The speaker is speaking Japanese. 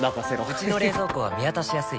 うちの冷蔵庫は見渡しやすい